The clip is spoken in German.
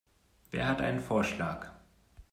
Wer hat einen Vorschlag?